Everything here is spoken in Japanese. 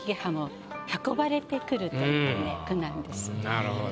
なるほど。